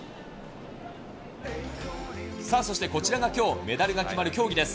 そしてこちらがきょう、メダルが決まる競技です。